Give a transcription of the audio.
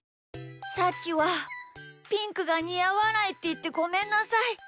さっきはピンクがにあわないっていってごめんなさい。